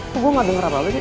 kok gue gak denger apa apa sih